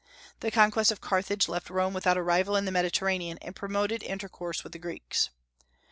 The conquest of Carthage left Rome without a rival in the Mediterranean, and promoted intercourse with the Greeks.